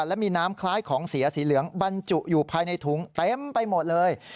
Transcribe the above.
และมีน้ำคล้ายของเสียสีเหลืองบรรจุอยู่ภายในถุงเต็มไปหมดเลย